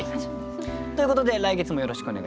ということで来月もよろしくお願いいたします。